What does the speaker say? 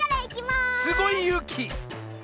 すごいゆうき！